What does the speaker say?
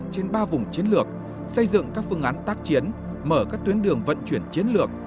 trên ba vùng chiến lược xây dựng các phương án tác chiến mở các tuyến đường vận chuyển chiến lược